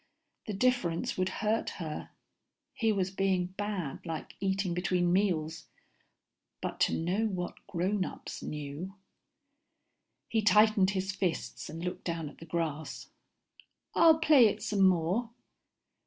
The difference would hurt her. He was being bad, like eating between meals. But to know what grownups knew.... He tightened his fists and looked down at the grass. "I'll play it some more."